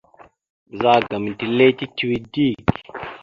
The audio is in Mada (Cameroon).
Ɓəzagaam etelle tituwe dik.